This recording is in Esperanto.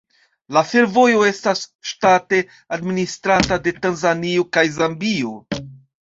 La fervojo estas ŝtate administrata de Tanzanio kaj Zambio.